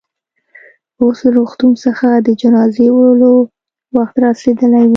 اوس له روغتون څخه د جنازې د وړلو وخت رارسېدلی و.